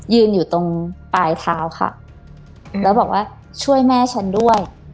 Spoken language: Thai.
ยืนอยู่ตรงปลายเท้าค่ะแล้วบอกว่าช่วยแม่ฉันด้วย